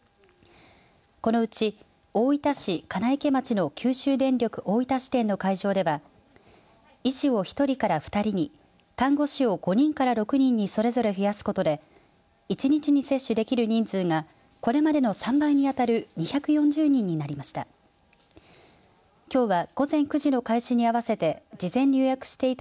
このうち、大分市金池町の九州電力大分支店の会場では医師を１人から２人に看護師を５人から６人にそれぞれ増やすことで１日に接種できる人数がこれまでの３倍にあたる２４０人になりました。